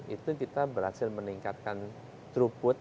itu kita berhasil meningkatkan truput